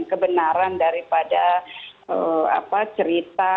kebenaran daripada cerita